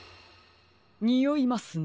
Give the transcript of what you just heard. においますね。